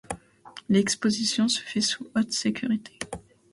L’exposition se fait sous haute sécurité.